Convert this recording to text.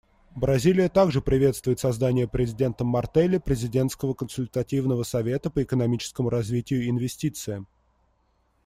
Бразилия также приветствует создание президентом Мартелли президентского консультативного совета по экономическому развитию и инвестициям.